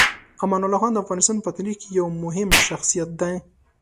امان الله خان د افغانستان په تاریخ کې یو مهم شخصیت دی.